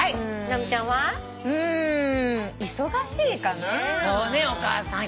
私も「忙しい」かな。